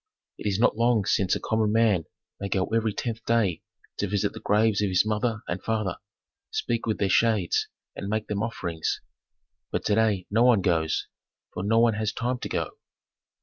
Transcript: It is not long since a common man might go every tenth day to visit the graves of his mother and father, speak with their shades, and make them offerings. But to day no one goes, for no one has time to go.